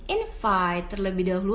invite terlebih dahulu